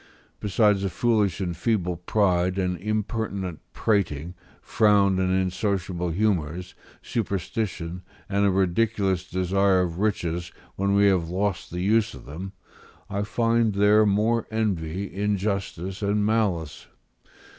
Besides a foolish and feeble pride, an impertinent prating, froward and insociable humours, superstition, and a ridiculous desire of riches when we have lost the use of them, I find there more envy, injustice, and malice.